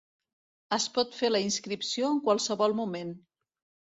Es pot fer la inscripció en qualsevol moment.